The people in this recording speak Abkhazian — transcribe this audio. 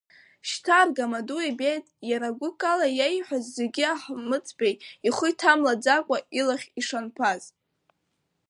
Шьҭа аргамаду ибеит иара гәыкала иааиҳәаз зегьы Аҳмыҭбеи ихы иҭамлаӡакәа, илахь ишанԥаз.